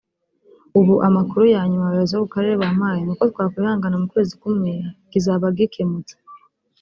ubu amakuru ya nyuma abayobozi bo ku Karere bampaye ni uko twakwihangana mu kwezi kumwe kizaba gikemutse